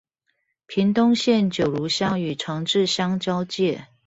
屏東縣九如鄉與長治鄉交界